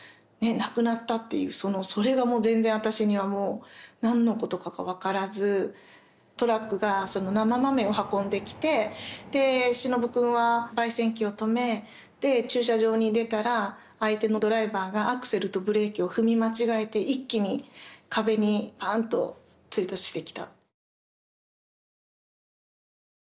亡くなったっていうそれがもう全然私には何のことかが分からずトラックが生豆を運んできて忍くんはばい煎機を止め駐車場に出たら相手のドライバーがアクセルとブレーキを踏み間違えて一気に壁にパーンと追突してきた。